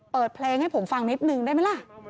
เปิดเพลงให้ผมฟังนิดนึงได้ไหมล่ะ